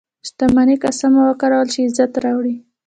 • شتمني که سمه وکارول شي، عزت راوړي.